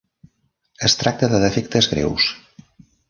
Es tracta de defectes greus.